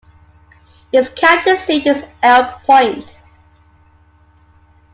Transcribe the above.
Its county seat is Elk Point.